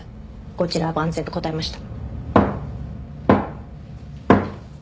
こちらは万全と答えました。